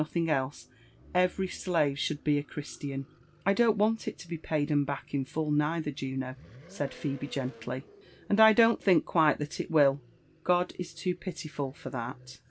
nothing else, every slave should be a Christian/' " I don't want it to be paid 'em back in full, neither, Juno," said Phebe gently; "and I don't think quite that it will— God is too pitiful for that."